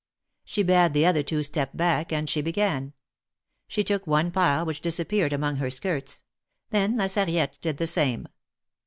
She bade the other two step back, and she began. She took one pile which disappeared among her skirts. Then La Sarriette did the same.